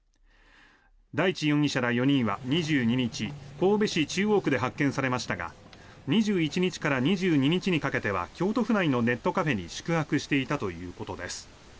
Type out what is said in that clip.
大地容疑者ら４人は２２日神戸市中央区で発見されましたが２１日から２２日にかけては京都府内のネットカフェに宿泊していたということです。